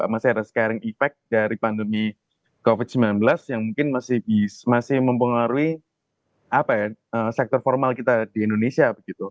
masih ada scaring effect dari pandemi covid sembilan belas yang mungkin masih mempengaruhi sektor formal kita di indonesia